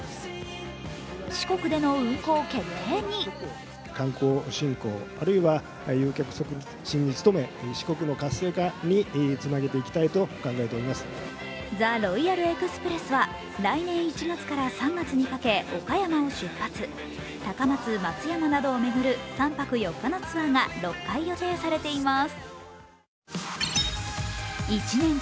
四国での運行決定に「ＴＨＥＲＯＹＡＬＥＸＰＲＥＳＳ」は来年１月から３月にかけ岡山を出発高松、松山などを巡る３泊４日のツアーが６回予定されています。